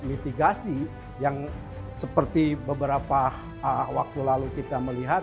dan mitigasi yang seperti beberapa waktu lalu kita melihat